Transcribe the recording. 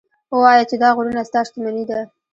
ووایه چې دا غرونه ستا شتمني ده.